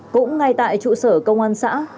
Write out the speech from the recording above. cũng ngay tại trụ sở công an xã